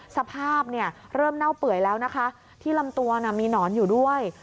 สภาพเนี่ยเริ่มเน่าเปื่อยแล้วนะคะที่ลำตัวน่ะมีหนอนอยู่ด้วย